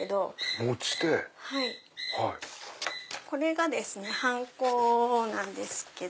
これがハンコなんですけど。